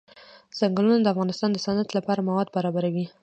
ځنګلونه د افغانستان د صنعت لپاره مواد برابروي.